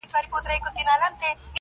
شیطان په زور نیولی!.